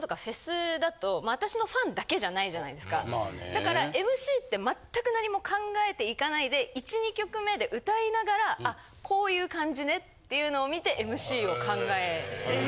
だからＭＣってまったく何も考えていかないで１・２曲目で歌いながらあこういう感じねっていうのを見てＭＣを考える。え？